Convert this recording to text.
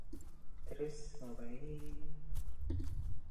All of the shorts on here feature adventure.